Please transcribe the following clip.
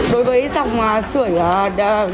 đối với dòng sửa